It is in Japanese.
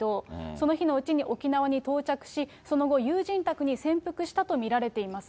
その日のうちに沖縄に到着し、その後、友人宅に潜伏したと見られています。